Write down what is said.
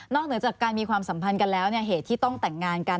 เหนือจากการมีความสัมพันธ์กันแล้วเหตุที่ต้องแต่งงานกัน